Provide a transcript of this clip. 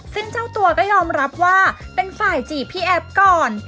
ซึ่งเจ้าตัวก็ยอมรับว่าเป็นฝ่ายจีบพี่แอฟก่อน